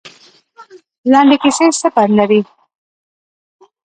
لنډې کیسې څه پند لري؟